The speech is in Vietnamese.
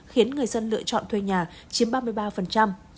khiến người dân lựa chọn thuê nhà chiếm ba mươi ba